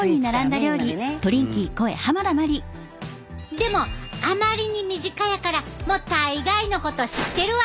でもあまりに身近やから「もう大概のこと知ってるわ！」